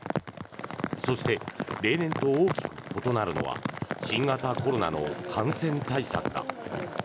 そして、例年と大きく異なるのは新型コロナの感染対策だ。